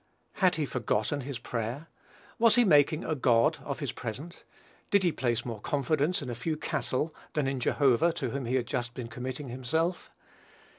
Had he forgotten his prayer? Was he making a god of his present? Did he place more confidence in a few cattle than in Jehovah, to whom he had just been committing himself?